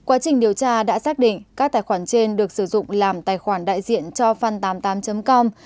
quá trình điều tra đã xác định các tài khoản trên được sử dụng làm tài khoản đại diện cho fan tám mươi tám com